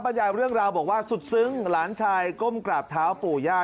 บรรยายเรื่องราวบอกว่าสุดซึ้งหลานชายก้มกราบเท้าปู่ย่า